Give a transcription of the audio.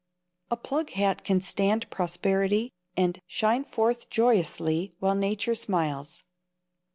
A plug hat can stand prosperity, and shine forth joyously while nature smiles.